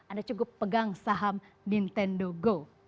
anda cukup pegang saham nintendo go